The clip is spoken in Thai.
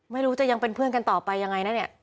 ไม่รู้จะยังเป็นเพื่อนกันต่อไปยังไงนะเนี่ย